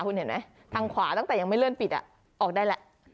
คุณเห็นไหมทางขวาตั้งแต่ยังไม่เลื่อนปิดออกได้แล้ว